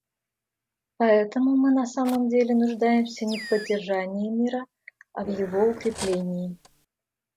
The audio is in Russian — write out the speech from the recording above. Поэтому мы на самом деле нуждаемся не в поддержании мира, а в его укреплении.